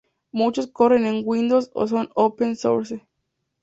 Muchos corren en Windows o son open source.